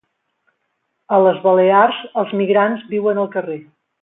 A les Balears els migrants viuen al carrer